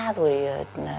ngoài có nghĩa là da